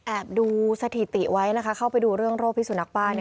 ดูสถิติไว้นะคะเข้าไปดูเรื่องโรคพิสุนักบ้า